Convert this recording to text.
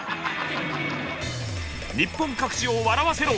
日本各地を笑わせろ！